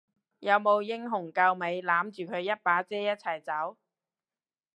有冇英雄救美攬住佢一把遮一齊走？